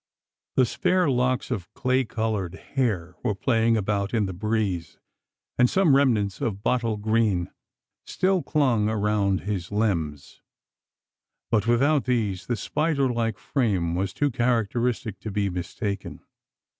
The spare locks of clay coloured hair were playing about in the breeze; and some remnants of bottle green still clung around his limbs. But without these, the spider like frame was too characteristic to be mistaken.